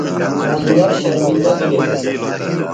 انور شرمِندہ بِھلوۡ۔